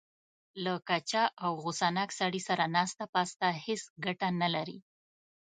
له کچه او غوسه ناک سړي سره ناسته پاسته هېڅ ګټه نه لري.